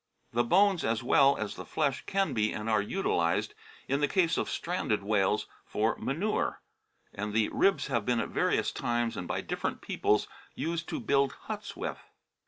The bones as well as the flesh can be and are utilised, in the case of stranded whales, for manure ; and the ribs have been at various times and by different peoples used to build huts with.